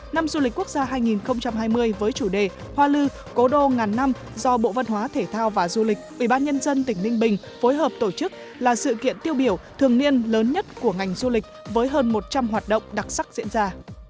năm du lịch quốc gia hai nghìn hai mươi với chủ đề hoa lư cố đô ngàn năm do bộ văn hóa thể thao và du lịch ubnd tỉnh ninh bình phối hợp tổ chức là sự kiện tiêu biểu thường niên lớn nhất của ngành du lịch với hơn một trăm linh hoạt động đặc sắc diễn ra